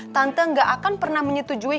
tante gak akan pernah menyetujui